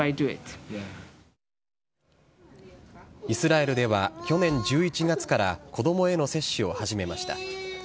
イスラエルでは去年１１月から、子どもへの接種を始めました。